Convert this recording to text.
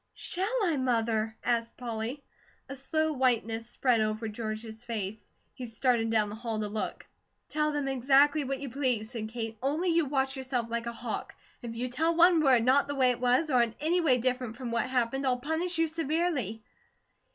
"Shall I, Mother?" asked Polly. A slow whiteness spread over George's face; he stared down the hall to look. "Tell them exactly what you please," said Kate, "only you watch yourself like a hawk. If you tell one word not the way it was, or in any way different from what happened, I'll punish you severely."